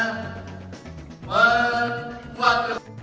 oleh sebab itu maka dbjp dalam beberapa kali rapatnya